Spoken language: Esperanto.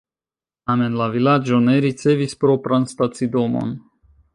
Tamen la vilaĝo ne ricevis propran stacidomon.